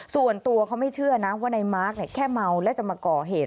ส่วนตัวเขาไม่เชื่อนะว่าในมาร์คแค่เมาและจะมาก่อเหตุ